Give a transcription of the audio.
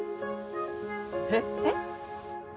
えっ？えっ？